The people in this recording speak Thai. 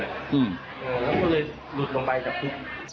แล้วก็เลยหลุดลงไปจากคุก